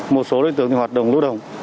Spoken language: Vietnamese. một số đối tượng thực hiện hoạt động lũ đồng